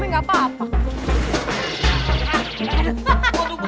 kenapa gue yang pukul